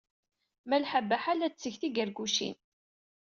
Malḥa Baḥa la d-tetteg tigargucin.